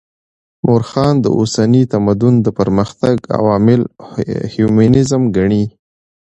مؤرخان د اوسني تمدن د پرمختګ عوامل هیومنيزم ګڼي.